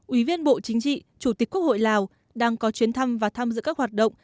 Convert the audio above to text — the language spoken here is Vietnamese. ủy viên bộ chính trị chủ tịch quốc hội lào đang có chuyến thăm và tham dự các hoạt động